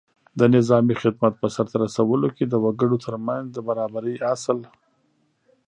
د نظامي خدمت په سرته رسولو کې د وګړو تر منځ د برابرۍ اصل